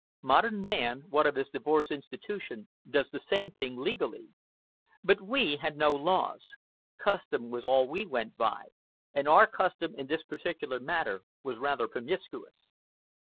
Modern man, what of his divorce institution, does the same thing legally. But we had no laws. Custom was all we went by, and our custom in this particular matter was rather promiscuous.